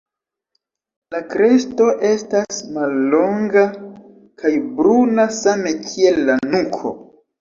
La kresto estas mallonga kaj bruna same kiel la nuko.